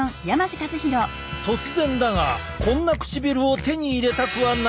突然だがこんな唇を手に入れたくはないか！？